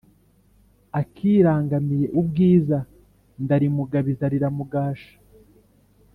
akirangamiye ubwiza ndarimugabiza riramugasha